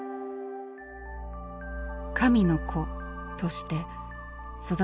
「神の子」として育てられた女性。